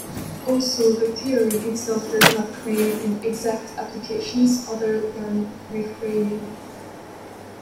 Also, the theory itself does not claim and exact applications other than "reframing".